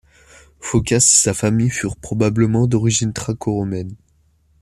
Phocas et sa famille furent probablement d'origine thraco-romaine.